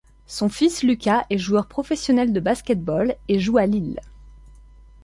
Son fils Luka est joueur professionnel de basket-ball et joue à Lille.